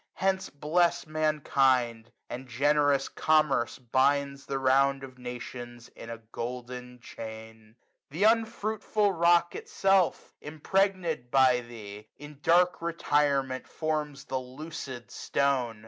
55 Hence bless mankind ; and generous Commerce binds The round of nations in a golden chain. Th* unfruitful rock itself, impregnM by thee, 140 In dark retirement forms the lucid stone.